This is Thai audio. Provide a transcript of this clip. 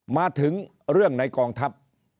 มาถึงเรื่องในกองทัพ